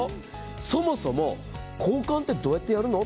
そもそも交換ってどうやってやるの？